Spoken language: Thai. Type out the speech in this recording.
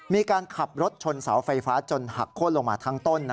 มีการขับรถชนเสาไฟฟ้าจนหักโค้นลงมาทั้งต้น